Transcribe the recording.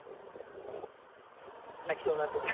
泣きそうになってる今。